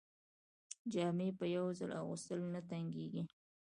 جامې په یو ځل اغوستلو نه تنګیږي.